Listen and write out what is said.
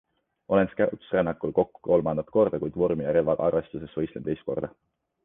Olen Scoutsrännakul kokku kolmandat korda, kuid vormi ja relvaga arvestuses võistlen teist korda.